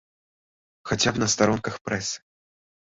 Хаця б на старонках прэсы.